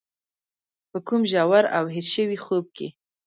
په کوم ژور او هېر شوي خوب کې.